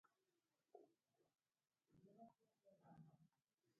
په ډېر افسوس باید ووایم چې ناروغي ختمه نه شوه.